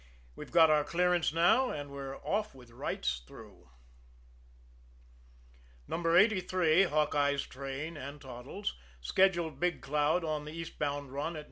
We've got our "clearance" now, and we're off with "rights" through. No. 83, Hawkeye's train and Toddles' scheduled Big Cloud on the eastbound run at 9.